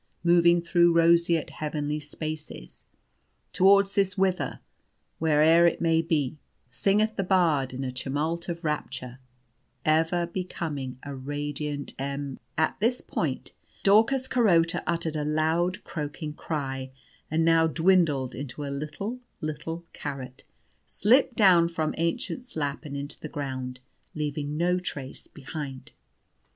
Moving through roseate heavenly spaces, Towards this 'Whither,' where'er it may be, Singeth the bard, in a tumult of rapture, Ever becoming a radiant em " At this point, Daucus Carota uttered a loud croaking cry, and, now dwindled into a little, little carrot, slipped down from Aennchen's lap, and into the ground, leaving no trace behind.